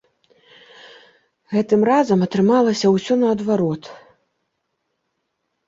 Гэтым разам атрымалася ўсё наадварот.